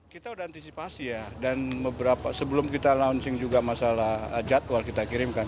kita sudah antisipasi ya dan beberapa sebelum kita launching juga masalah jadwal kita kirimkan